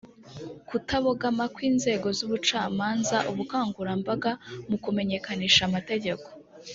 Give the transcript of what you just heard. kutabogama kw inzego z ubucamanza ubukangurambaga mu kumenyekanisha amategeko